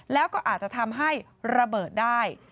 แล้วก็อาจจะทำให้ระเบิดได้